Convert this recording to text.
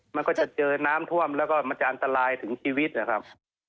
มันก็จะเจอน้ำท่วมแล้วก็มันจะอันตรายถึงชีวิตนะครับ